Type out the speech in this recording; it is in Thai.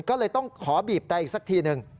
ก็ต้องขอบีบแตร่อีกสักทีนึง